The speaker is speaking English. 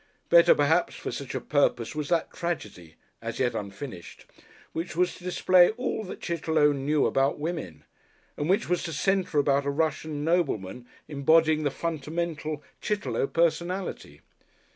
Better perhaps for such a purpose was that tragedy as yet unfinished which was to display all that Chitterlow knew about women, and which was to centre about a Russian nobleman embodying the fundamental Chitterlow personality.